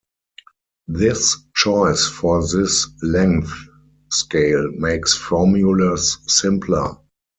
This choice for this length scale makes formulas simpler.